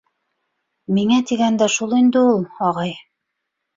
Миңә тигәндә шул инде ул, ағай.